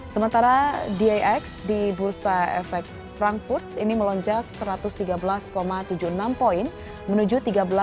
sementara dax di bursa efek frankfurt ini melonjak satu ratus tiga belas tujuh puluh enam poin menuju tiga belas empat puluh